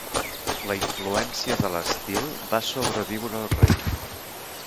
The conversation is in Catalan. La influència de l'estil va sobreviure el rei.